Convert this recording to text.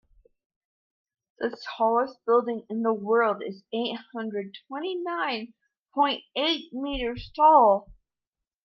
The tallest building in the world is eight hundred twenty nine point eight meters tall.